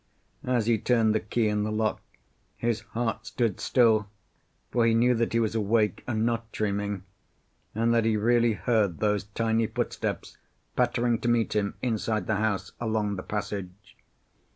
As he turned the key in the lock, his heart stood still, for he knew that he was awake and not dreaming, and that he really heard those tiny footsteps pattering to meet him inside the house along the passage.